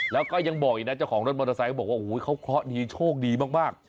แล้วก็ยังบอกอีกนะเจ้าของรถมอเตอร์ไซค์บอกว่าโอ้โหเขาเคราะห์ดีโชคดีมาก